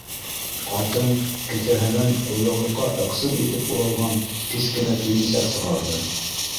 - Ҡатын кеҫәһенән ҡулъяулыҡҡа ыҡсым итеп уралған кескенә төйөнсәк сығарҙы.